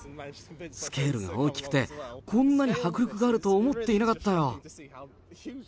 スケールが大きくて、こんなに迫力があると思っていなかったよ。